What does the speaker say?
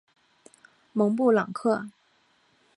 蒙布朗克。